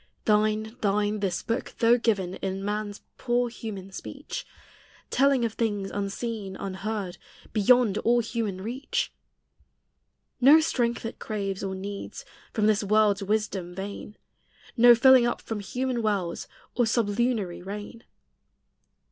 Thine, thine, this book, though given In man's poor human speech, Telling of things unseen, unheard, Beyond all human reach. No strength it craves or needs From this world's wisdom vain; No filling up from human wells, Or sublunary rain.